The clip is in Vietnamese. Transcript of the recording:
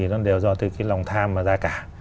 nó đều do từ cái lòng tham mà ra cả